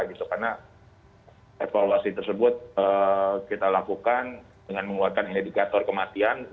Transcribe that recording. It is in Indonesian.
karena evaluasi tersebut kita lakukan dengan mengeluarkan indikator kematian